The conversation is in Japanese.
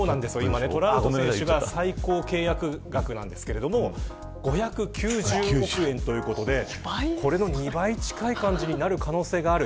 トラウト選手が最高契約額なんですけれども５９０億円ということで、これの２倍近くなる可能性がある。